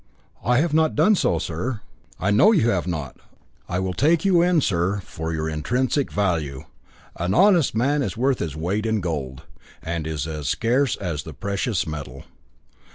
"I have not done so, sir." "I know you have not. I will take you in, sir, for your intrinsic value. An honest man is worth his weight in gold, and is as scarce as the precious metal."